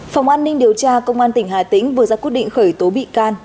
phòng an ninh điều tra công an tỉnh hà tĩnh vừa ra quyết định khởi tố bị can